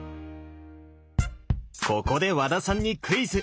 ここで和田さんにクイズ！